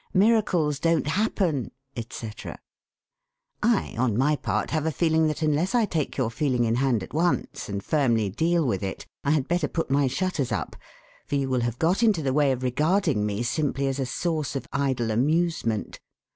Miracles don't happen,' etc. I, on my part, have a feeling that unless I take your feeling in hand at once, and firmly deal with it, I had better put my shutters up, for you will have got into the way of regarding me simply as a source of idle amusement.